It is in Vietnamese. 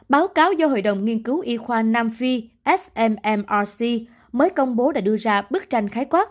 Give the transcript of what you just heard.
báo cáo do hội đồng nghiên cứu y khoa nam phi smrc mới công bố đã đưa ra bức tranh khái quát